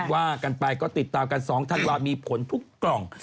ว่ากันไปก็ติดตามกัน๒ธันวามีผลทุกกล่อง